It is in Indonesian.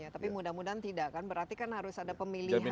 tapi mudah mudahan tidak kan berarti kan harus ada pemilihan